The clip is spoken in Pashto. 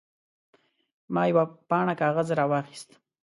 ما یوه پاڼه کاغذ راواخیست.